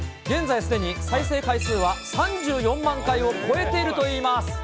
現在すでに再生回数は３４万回を超えているといいます。